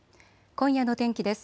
今夜の天気です。